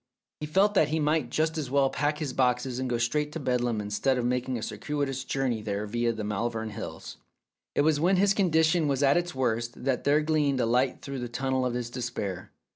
He felt that he might just as well pack his boxes and go straight to Bedlam instead of making a circuitous journey there via the Malvern Hills. It was when his condition was at its worst that there gleamed a light through the tunnel of his despair.